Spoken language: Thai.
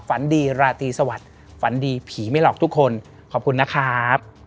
ฝันดีราตรีสวัสดิ์ฝันดีผีไม่หลอกทุกคนขอบคุณนะครับ